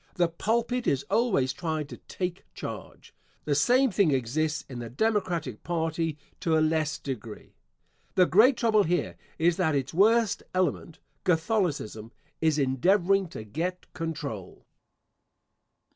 The pulpit is always trying to take charge. The same thing exists in the Democratic party to a less degree. The great trouble here is that its worst element Catholicism is endeavoring to get control.